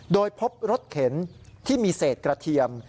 โดยพบรถเข็นที่มีเศษกระเทียม